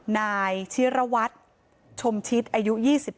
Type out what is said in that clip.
นายชิรวัตรชมชิดอายุ๒๓